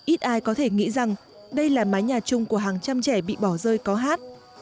ít ai có thể nghĩ rằng đây là mái nhà chung của hàng trăm trẻ bị bỏ rơi có hát